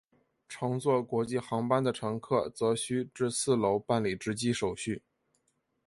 乘坐国际航班的乘客则需至四楼办理值机手续。